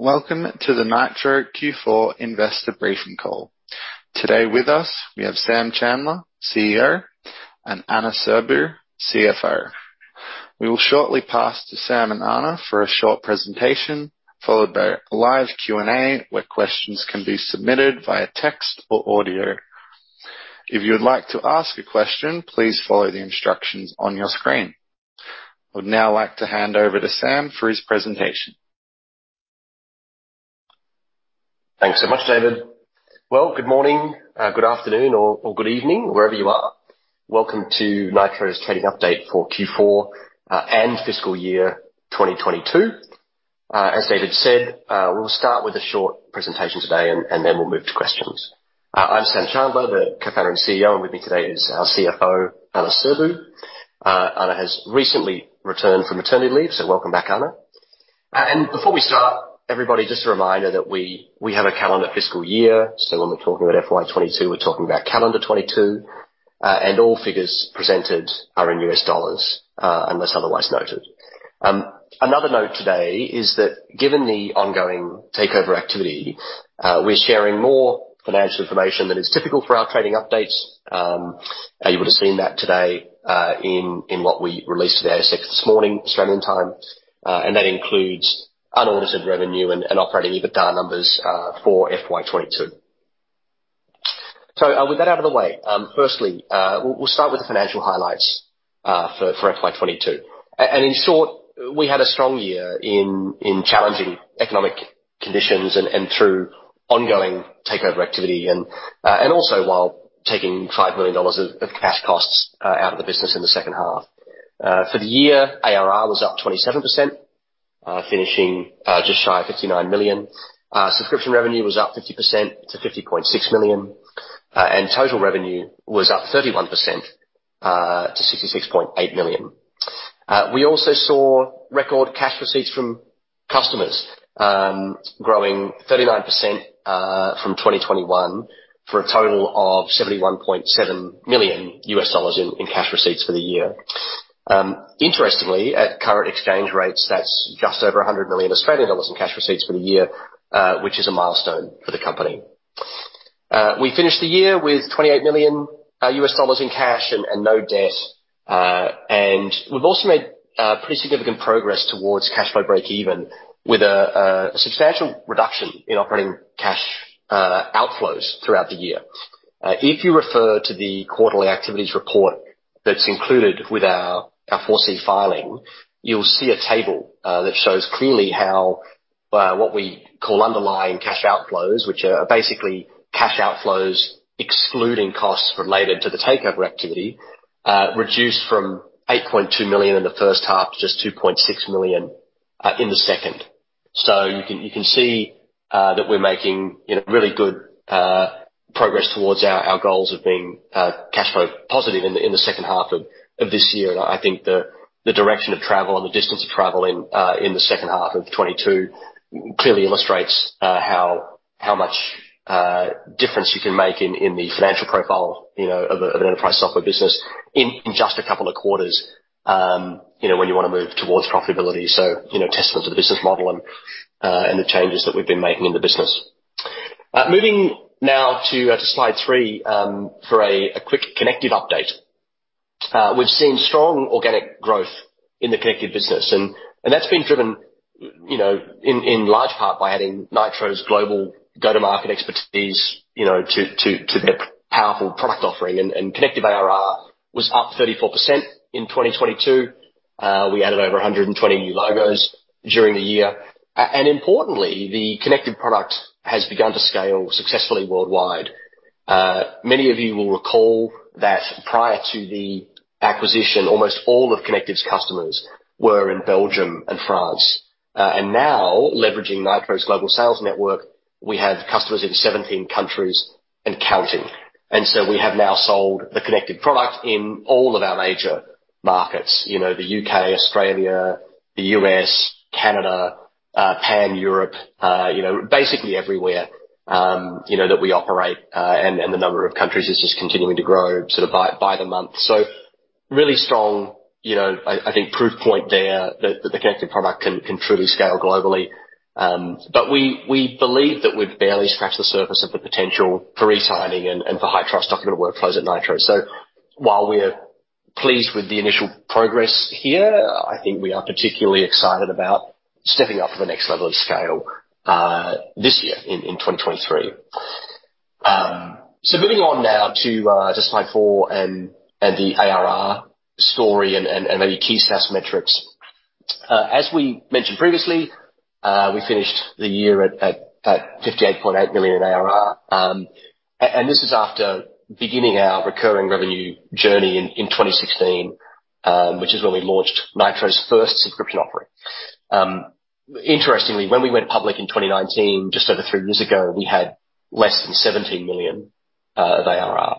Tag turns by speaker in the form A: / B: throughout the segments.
A: Welcome to the Nitro Q4 investor briefing call. Today with us, we have Sam Chandler, CEO, and Ana Sirbu, CFO. We will shortly pass to Sam and Ana for a short presentation, followed by a live Q&A where questions can be submitted via text or audio. If you would like to ask a question, please follow the instructions on your screen. I would now like to hand over to Sam for his presentation.
B: Thanks so much, David. Well, good morning, good afternoon, or good evening, wherever you are. Welcome to Nitro's trading update for Q4 and fiscal year 2022. As David said, we'll start with a short presentation today and then we'll move to questions. I'm Sam Chandler, the Co-Founder and CEO, and with me today is our CFO, Ana Sirbu. Ana has recently returned from maternity leave, so welcome back, Ana. Before we start, everybody, just a reminder that we have a calendar fiscal year, so when we're talking about FY 2022, we're talking about calendar 2022. All figures presented are in U.S. dollars, unless otherwise noted. Another note today is that given the ongoing takeover activity, we're sharing more financial information than is typical for our trading updates. You would have seen that today in what we released to the ASX this morning, Australian time. That includes unaudited revenue and Operating EBITDA numbers for FY22. With that out of the way, firstly, we'll start with the financial highlights for FY22. In short, we had a strong year in challenging economic conditions and through ongoing takeover activity. Also while taking $5 million of cash costs out of the business in the second half. For the year, ARR was up 27%, finishing just shy of $59 million. Subscription revenue was up 50% to $50.6 million. Total revenue was up 31% to $66.8 million. We also saw record cash receipts from customers, growing 39% from 2021, for a total of $71.7 million in cash receipts for the year. Interestingly, at current exchange rates, that's just over 100 million Australian dollars in cash receipts for the year, which is a milestone for the company. We finished the year with $28 million in cash and no debt. And we've also made pretty significant progress towards cash flow break even with a substantial reduction in operating cash outflows throughout the year. If you refer to the quarterly activities report that's included with our 4C filing, you'll see a table that shows clearly how what we call underlying cash outflows, which are basically cash outflows excluding costs related to the takeover activity, reduced from $8.2 million in the first half to just $2.6 million in the second. You can see that we're making, you know, really good progress towards our goals of being cash flow positive in the second half of this year. I think the direction of travel and the distance of travel in the second half of 2022 clearly illustrates how much difference you can make in the financial profile, you know, of an enterprise software business in just a couple of quarters, you know, when you wanna move towards profitability. You know, testament to the business model and the changes that we've been making in the business. Moving now to slide three for a quick Connective update. We've seen strong organic growth in the Connective business. That's been driven, you know, in large part by adding Nitro's global go-to-market expertise, you know, to their powerful product offering. Connective ARR was up 34% in 2022. We added over 120 new logos during the year. Importantly, the Connective product has begun to scale successfully worldwide. Many of you will recall that prior to the acquisition, almost all of Connective's customers were in Belgium and France. Now leveraging Nitro's global sales network, we have customers in 17 countries and counting. We have now sold the Connective product in all of our major markets. You know, the U.K., Australia, the U.S., Canada, Pan-European, you know, basically everywhere, you know, that we operate. And the number of countries is just continuing to grow sort of by the month. Really strong, you know, I think proof point there that the Connective product can truly scale globally. We believe that we've barely scratched the surface of the potential for eSigning and high-trust document workflows at Nitro. While we're pleased with the initial progress here, I think we are particularly excited about stepping up to the next level of scale this year in 2023. Moving on now to slide four and the ARR story and maybe key SaaS metrics. As we mentioned previously, we finished the year at $58.8 million in ARR. And this is after beginning our recurring revenue journey in 2016, which is when we launched Nitro's first subscription offering. Interestingly, when we went public in 2019, just over 3 years ago, we had less than $17 million of ARR.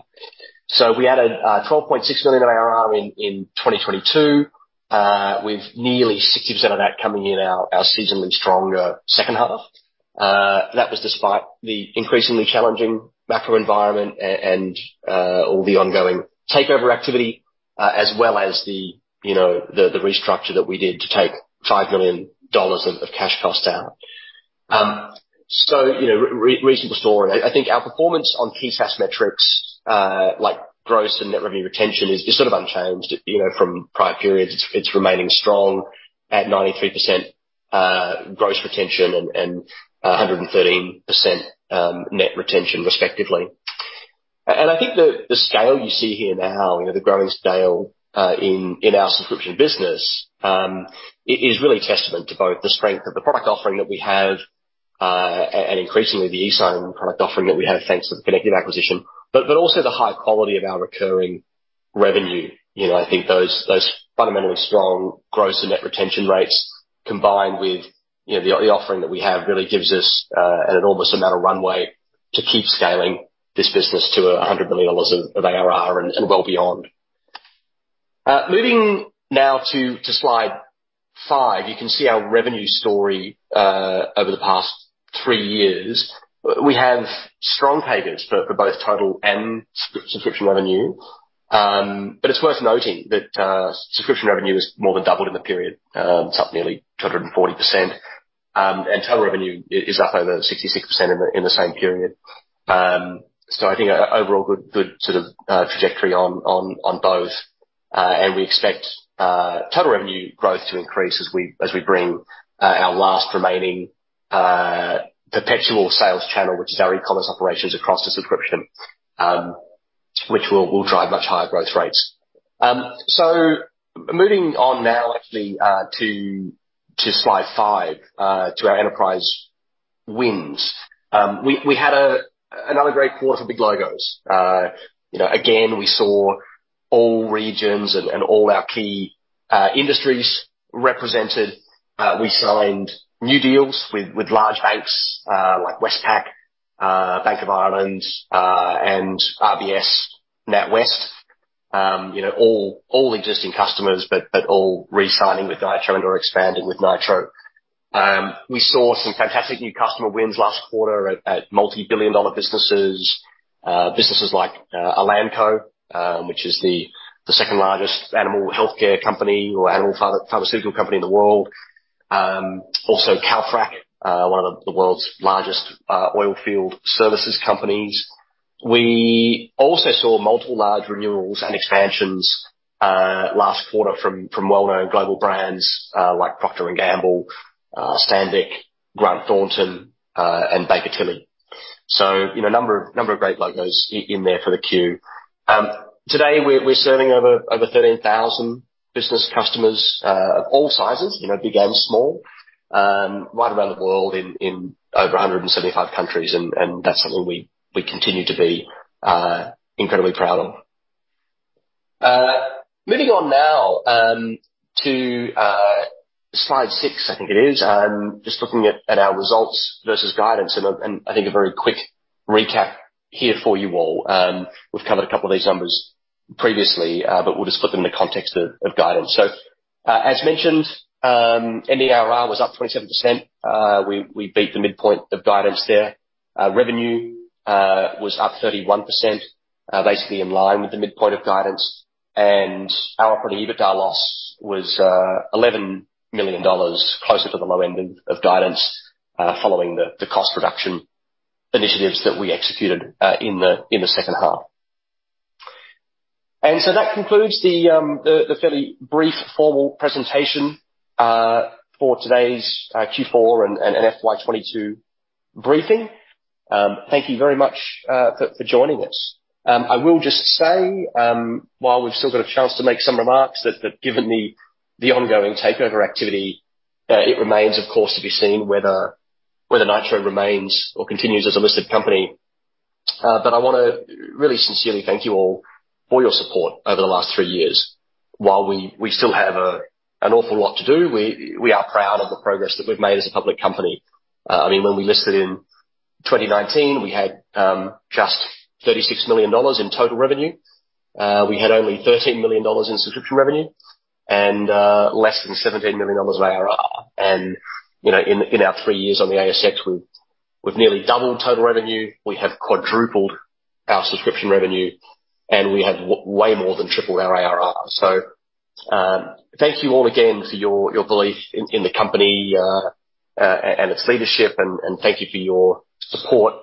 B: We added $12.6 million of ARR in 2022, with nearly 60% of that coming in our seasonally stronger second half. That was despite the increasingly challenging macro environment and all the ongoing takeover activity, as well as the, you know, the restructure that we did to take $5 million of cash costs out. You know, reasonable store. I think our performance on key SaaS metrics, like gross and net revenue retention is sort of unchanged, you know, from prior periods. It's remaining strong at 93% gross retention and 113% net retention respectively. I think the scale you see here now, you know, the growing scale, in our subscription business, is really testament to both the strength of the product offering that we have, and increasingly the eSign product offering that we have, thanks to the Connective acquisition. Also the high quality of our recurring revenue. You know, I think those fundamentally strong gross and net retention rates combined with, you know, the offering that we have, really gives us an enormous amount of runway to keep scaling this business to $100 million of ARR and well beyond. Moving now to slide 5. You can see our revenue story over the past three years. We have strong pages for both total and subscription revenue. It's worth noting that subscription revenue has more than doubled in the period. It's up nearly 240%. Total revenue is up over 66% in the same period. I think overall good sort of trajectory on both. We expect total revenue growth to increase as we bring our last remaining perpetual sales channel, which is our e-commerce operations across the subscription, which will drive much higher growth rates. Moving on now actually to slide 5 to our enterprise wins. We had another great quarter for big logos. You know, again, we saw all regions and all our key industries represented. We signed new deals with large banks, like Westpac, Bank of Ireland, and RBS NatWest. You know, all existing customers, but all resigning with Nitro and are expanding with Nitro. We saw some fantastic new customer wins last quarter at multi‑billion dollar businesses. Businesses like Elanco, which is the second largest animal healthcare company or animal pharmaceutical company in the world. Also Calfrac, one of the world's largest oil field services companies. We also saw multiple large renewals and expansions last quarter from well-known global brands, like Procter & Gamble, Sandvik, Grant Thornton, and Baker Tilly. You know, a number of great logos in there for the queue. Today we're serving over 13,000 business customers, of all sizes, you know, big and small, right around the world in over 175 countries. That's something we continue to be incredibly proud of. Moving on now to slide 6, I think it is. Just looking at our results versus guidance and I think a very quick recap here for you all. We've covered a couple of these numbers previously, but we'll just put them in the context of guidance. As mentioned, ARR was up 27%. We beat the midpoint of guidance there. Revenue was up 31%, basically in line with the midpoint of guidance. Our Operating EBITDA loss was $11 million, closer to the low end of guidance, following the cost reduction initiatives that we executed in the second half. That concludes the fairly brief formal presentation for today's Q4 and FY22 briefing. Thank you very much for joining us. I will just say, while we've still got a chance to make some remarks that given the ongoing takeover activity, it remains of course to be seen whether Nitro remains or continues as a listed company. I wanna really sincerely thank you all for your support over the last three years. While we still have an awful lot to do, we are proud of the progress that we've made as a public company. I mean, when we listed in 2019, we had just $36 million in total revenue. We had only $13 million in subscription revenue and less than $17 million of ARR. You know, in our three years on the ASX, we've nearly doubled total revenue. We have quadrupled our subscription revenue, and we have way more than tripled our ARR. Thank you all again for your belief in the company and its leadership. Thank you for your support,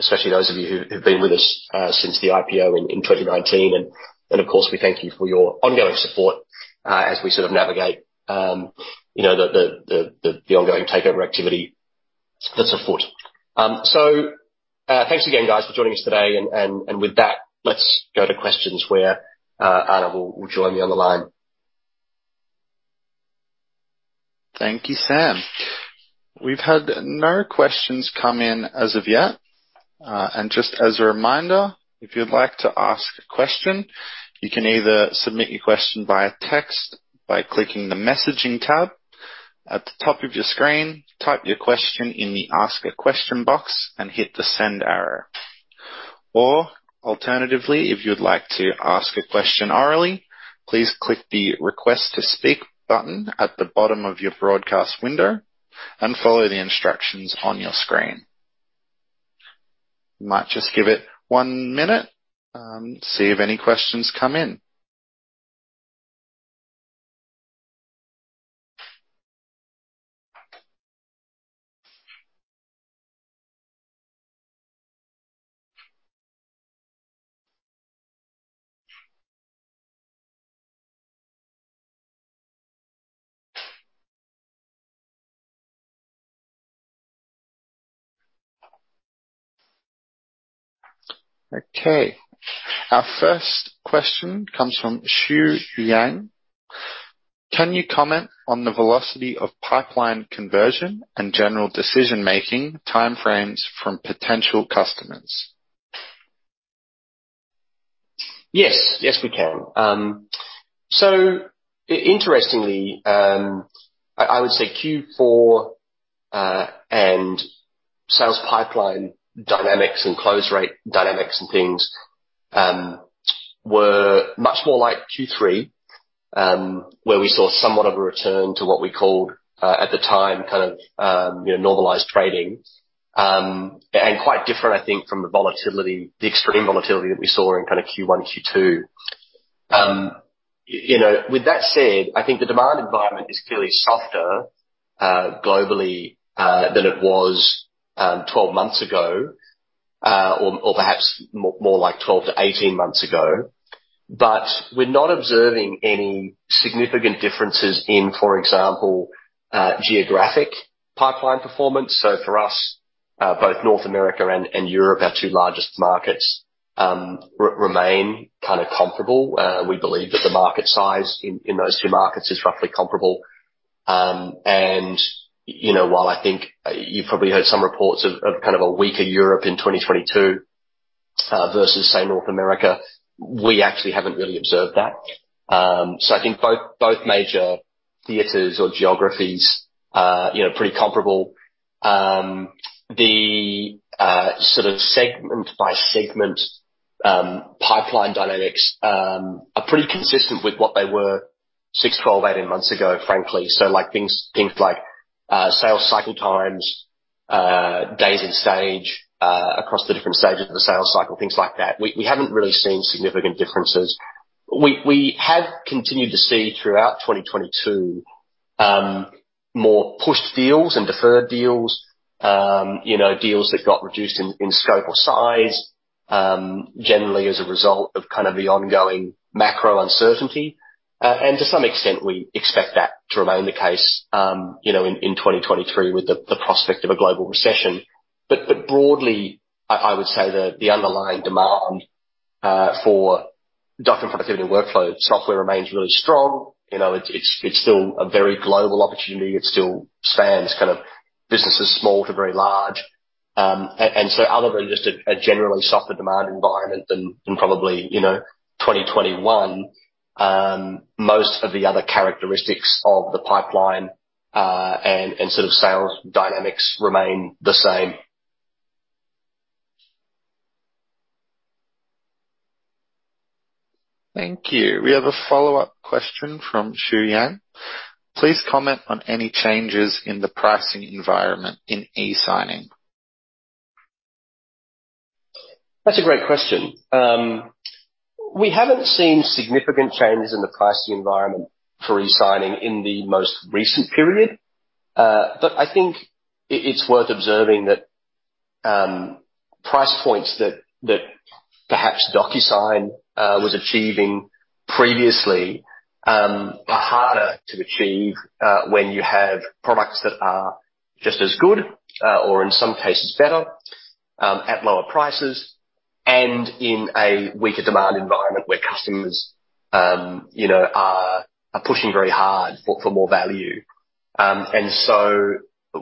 B: especially those of you who've been with us since the IPO in 2019. Of course, we thank you for your ongoing support, as we sort of navigate, you know, the ongoing takeover activity that's afoot. Thanks again guys for joining us today. With that, let's go to questions where Ana will join me on the line.
A: Thank you, Sam. We've had no questions come in as of yet. Just as a reminder, if you'd like to ask a question, you can either submit your question via text by clicking the messaging tab at the top of your screen, type your question in the Ask a Question box and hit the send arrow. Alternatively, if you'd like to ask a question orally, please click the Request to speak button at the bottom of your broadcast window and follow the instructions on your screen. Might just give it one minute, see if any questions come in. Okay. Our first question comes from Xu Yang. Can you comment on the velocity of pipeline conversion and general decision-making time frames from potential customers?
B: Yes. Yes, we can. So interestingly, I would say Q4 and sales pipeline dynamics and close rate dynamics and things were much more like Q3, where we saw somewhat of a return to what we called at the time, you know, normalized trading, and quite different, I think, from the volatility, the extreme volatility that we saw in Q1, Q2. You know, with that said, I think the demand environment is clearly softer globally than it was 12 months ago, or perhaps more like 12-18 months ago. We're not observing any significant differences in, for example, geographic pipeline performance. For us, both North America and Europe, our two largest markets, remain comparable. We believe that the market size in those two markets is roughly comparable. You know, while I think you've probably heard some reports of kind of a weaker Europe in 2022, versus say, North America, we actually haven't really observed that. I think both major theaters or geographies, you know, pretty comparable. The sort of segment-by-segment pipeline dynamics are pretty consistent with what they were six, 12, 18 months ago, frankly. So like things like sales cycle times, days in stage, across the different stages of the sales cycle, things like that. We haven't really seen significant differences. We have continued to see throughout 2022, more pushed deals and deferred deals, you know, deals that got reduced in scope or size, generally as a result of kind of the ongoing macro uncertainty. To some extent, we expect that to remain the case, you know, in 2023 with the prospect of a global recession. Broadly, I would say the underlying demand for document productivity and workflow software remains really strong. You know, it's still a very global opportunity. It still spans kind of businesses small to very large. Other than just a generally softer demand environment than probably, you know, 2021, most of the other characteristics of the pipeline, and sort of sales dynamics remain the same.
A: Thank you. We have a follow-up question from Xu Yang. Please comment on any changes in the pricing environment in eSigning.
B: That's a great question. We haven't seen significant changes in the pricing environment for eSigning in the most recent period. I think it's worth observing that price points that perhaps DocuSign was achieving previously, are harder to achieve when you have products that are just as good or in some cases better at lower prices and in a weaker demand environment where customers, you know, are pushing very hard for more value.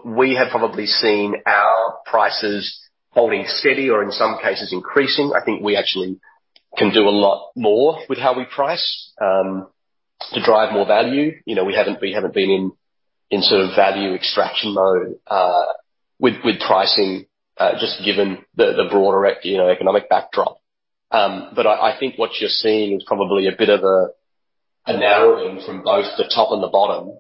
B: We have probably seen our prices holding steady or in some cases increasing. I think we actually can do a lot more with how we price to drive more value. You know, we haven't been in sort of value extraction mode with pricing just given the broader you know, economic backdrop. I think what you're seeing is probably a bit of a narrowing from both the top and the bottom,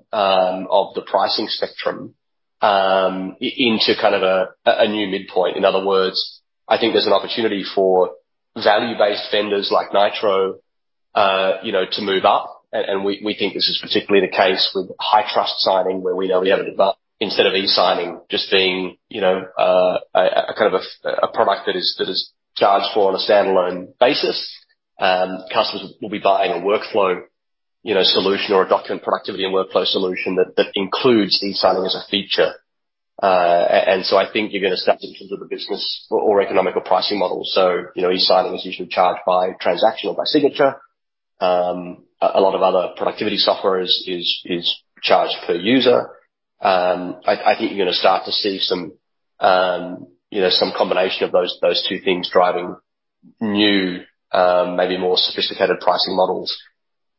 B: into kind of a new midpoint. In other words, I think there's an opportunity for value-based vendors like Nitro, you know, to move up. We, we think this is particularly the case with high-trust signing where we know we have Instead of eSigning just being, you know, a kind of a product that is, that is charged for on a stand-alone basis, customers will be buying a workflow, you know, solution or a document productivity and workflow solution that includes eSigning as a feature. So I think you're gonna start in terms of the business or economical pricing models. You know, eSigning is usually charged by transaction or by signature. A lot of other productivity software is charged per user. I think you're gonna start to see some, you know, some combination of those two things driving new, maybe more sophisticated pricing models.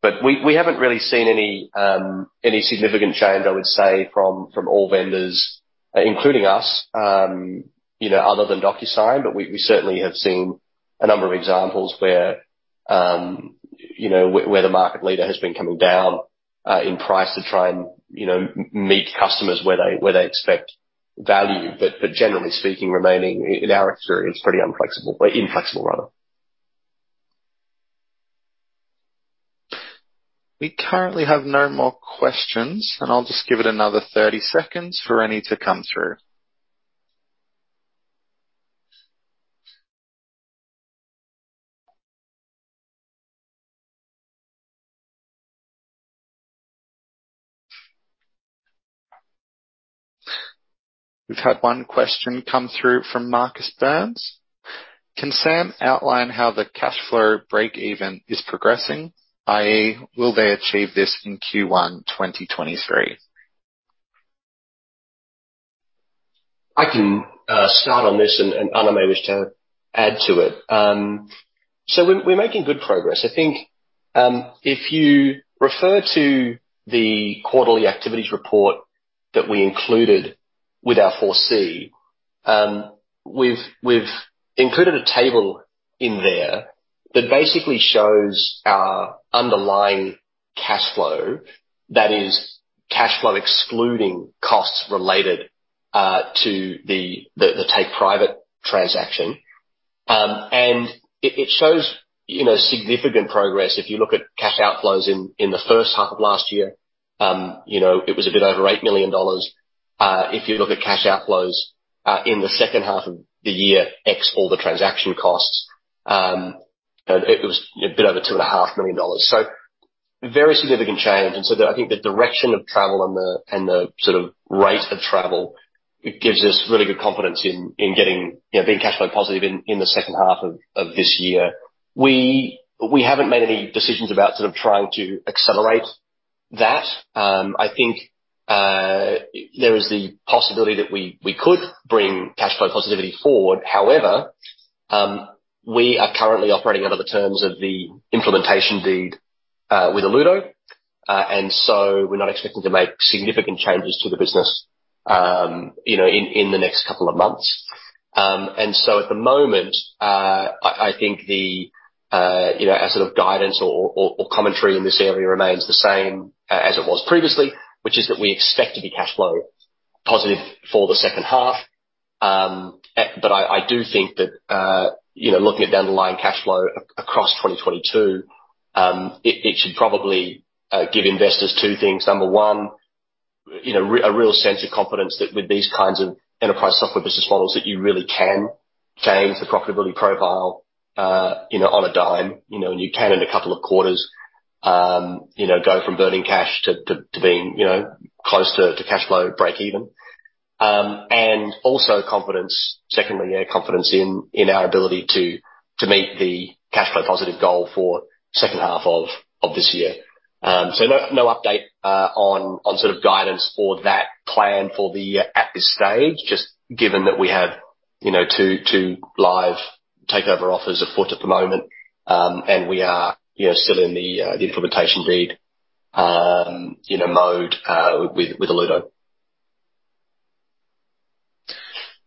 B: We haven't really seen any significant change, I would say, from all vendors, including us, you know, other than DocuSign, but we certainly have seen a number of examples where, you know, where the market leader has been coming down in price to try and, you know, meet customers where they expect value. Generally speaking, remaining in our experience, pretty unflexible or inflexible rather.
A: We currently have no more questions, and I'll just give it another 30 seconds for any to come through. We've had one question come through from Marcus Burns. Can Sam outline how the cash flow breakeven is progressing, i.e. will they achieve this in Q1 2023?
B: I can start on this and Ana may wish to add to it. We're making good progress. I think, if you refer to the quarterly activities report that we included with our 4C, we've included a table in there that basically shows our underlying cash flow. That is cash flow excluding costs related to the take private transaction. It shows, you know, significant progress. If you look at cash outflows in the first half of last year, you know, it was a bit over $8 million. If you look at cash outflows in the second half of the year, ex all the transaction costs, it was a bit over two and a half million dollars. Very significant change. I think the direction of travel and the sort of rate of travel, it gives us really good confidence in getting cash flow positive in the second half of this year. We haven't made any decisions about sort of trying to accelerate that. I think there is the possibility that we could bring cash flow positivity forward. However, we are currently operating under the terms of the implementation deed with Alludo. We're not expecting to make significant changes to the business in the next couple of months. At the moment, I think the, you know, our sort of guidance or commentary in this area remains the same as it was previously, which is that we expect to be cash flow positive for the second half. I do think that, you know, looking at down the line cash flow across 2022, it should probably give investors two things. Number one, you know, a real sense of confidence that with these kinds of enterprise software business models, that you really can change the profitability profile, you know, on a dime. You know, you can in a couple of quarters, you know, go from burning cash to being, you know, close to cash flow breakeven. Also confidence... Secondly, yeah, confidence in our ability to meet the cash flow positive goal for second half of this year. No, no update, on sort of guidance for that plan for the year at this stage, just given that we have, you know, two live takeover offers afoot at the moment. We are, you know, still in the implementation deed, you know, mode, with Alludo.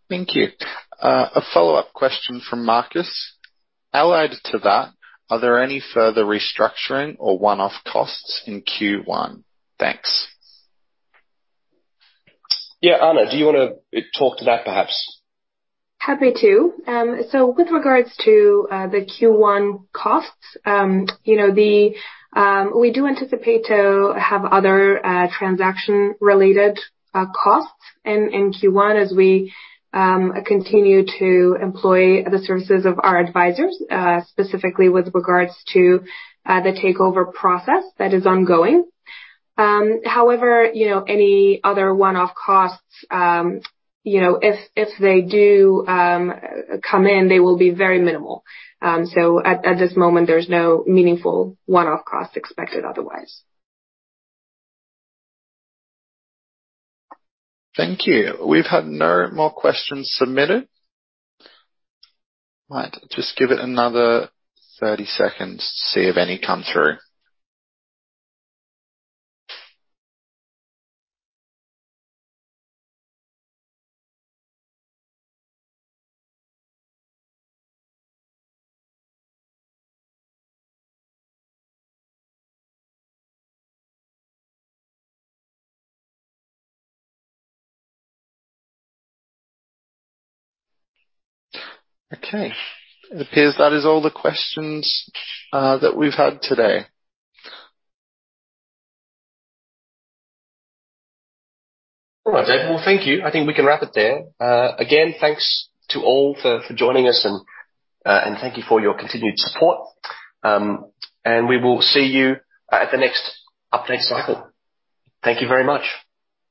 A: Thank you. A follow-up question from Marcus. Allied to that, are there any further restructuring or one-off costs in Q1? Thanks.
B: Yeah. Ana, do you wanna talk to that perhaps?
C: Happy to. With regards to the Q1 costs, you know, we do anticipate to have other transaction-related costs in Q1 as we continue to employ the services of our advisors, specifically with regards to the takeover process that is ongoing. However, you know, any other one-off costs, you know, if they do come in, they will be very minimal. At this moment, there's no meaningful one-off costs expected otherwise.
A: Thank you. We've had no more questions submitted. Right. Just give it another 30 seconds to see if any come through. Okay. It appears that is all the questions that we've had today.
B: All right. Well, thank you. I think we can wrap it there. Again, thanks to all for joining us and thank you for your continued support. We will see you at the next update cycle. Thank you very much.